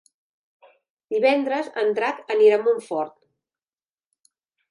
Divendres en Drac anirà a Montfort.